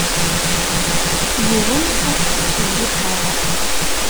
Yiwen ur t-ttkellixeɣ.